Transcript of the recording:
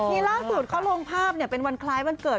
ปีร้างตู้ที่เขาลงภาพเป็นวันคลายวันเกิด